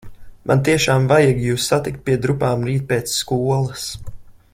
Man tiešām vajag jūs satikt pie drupām rīt pēc skolas.